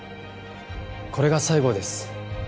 これが最後です